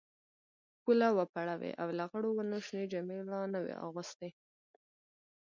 پوله وپړه وې او لغړو ونو شنې جامې لا نه وې اغوستي.